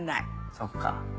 そっか。